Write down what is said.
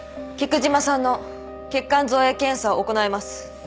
菊島さんの血管造影検査を行います。